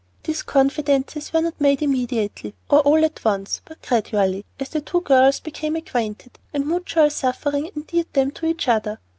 These confidences were not made immediately or all at once, but gradually, as the two girls became acquainted, and mutual suffering endeared them to each other.